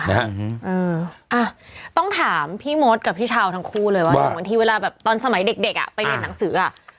อ่ะต้องถามพี่มดกับพี่ชาวทั้งคู่เลยว่าดูที่เวลาแบบตอนสมัยเด็กอ่ะไปเห็นหนังสืออ่ะ